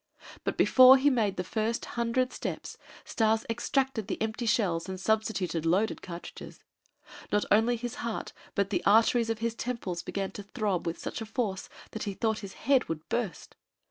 But before he made the first hundred steps, Stas extracted the empty shells and substituted loaded cartridges. Not only his heart but the arteries in his temples began to throb with such a force that he thought that his head would burst.